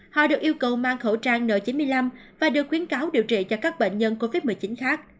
họ được yêu cầu mang khẩu trang n chín mươi năm và được khuyến cáo điều trị cho các bệnh nhân covid một mươi chín khác